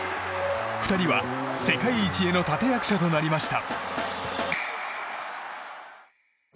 ２人は、世界一への立役者となりました。